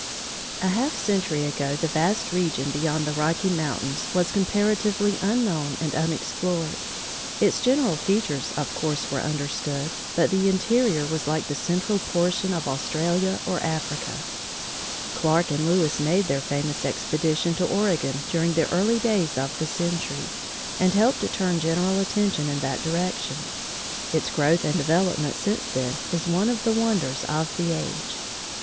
A half century ago the vast region beyond the Rocky Mountains was comparatively unknown and unexplored. Its general features of course were understood, but the interior was like the central portion of Australia or Africa. Clarke and Lewis made their famous expedition to Oregon during the early days of the century, and helped to turn general attention in that direction. Its growth and development since then is one of the wonders of the age.